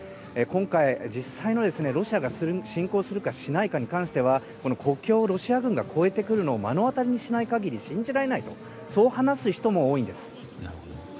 今回、実際にロシアが侵攻するか、しないかに関しては国境をロシア軍が越えてくるのを目の当たりにしない限り信じられないとそう話す人も多いんです。